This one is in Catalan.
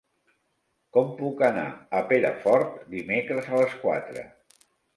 Com puc anar a Perafort dimecres a les quatre?